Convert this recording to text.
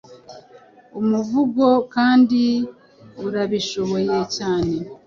umuvugo kandi urabishoboye cyane.